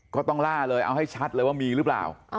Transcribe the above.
ก็ต้องล่าเลยเอาให้ชัดเลยว่ามีหรือเปล่า